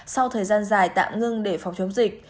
sau thời gian dài tạm ngưng để phòng chống dịch